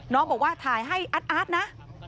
น้องบอกว่าถ่ายให้อาร์ตนะ